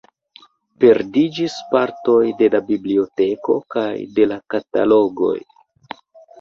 Perdiĝis partoj de la biblioteko kaj de la katalogoj.